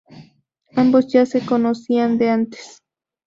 Ambos ya se conocían de antes.